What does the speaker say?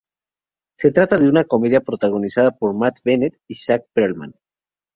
Se trata de una "comedia" protagonizada por Matt Bennett y Zack Pearlman.